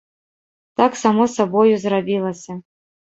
Так само сабою зрабілася.